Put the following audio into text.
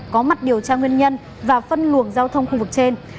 có mặt điều tra nguyên nhân và phân luồng giao thông khu vực trên